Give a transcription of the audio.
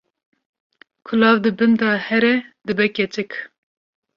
ku law di bin de here dibe keçik